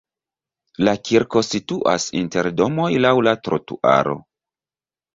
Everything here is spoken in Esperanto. La kirko situas inter domoj laŭ la trotuaro.